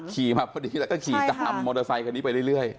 ขี่มาพอดีแล้วก็ขี่ตามมอเตอร์ไซคันนี้ไปเรื่อย